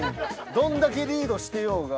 どんだけリードしてようが。